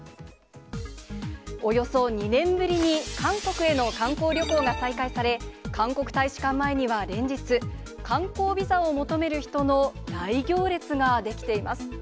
およそ２年ぶりに韓国への観光旅行が再開され、韓国大使館前には連日、観光ビザを求める人の大行列が出来ています。